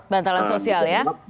bantalan sosial ya